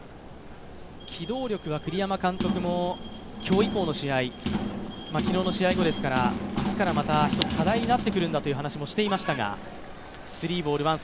機動力は栗山監督も今日以降の試合、昨日の試合後ですから明日からまた一つ課題になってくるんだという話もしていました。